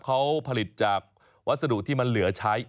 เขาผลิตจากวัสดุที่มันเหลือใช้